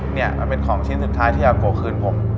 นี่มันเป็นของชิ้นสุดท้ายที่จะโกคืนผม